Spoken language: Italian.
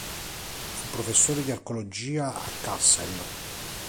Fu professore di archeologia a Kassel.